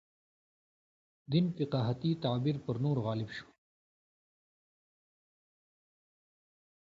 دین فقاهتي تعبیر پر نورو غالب شو.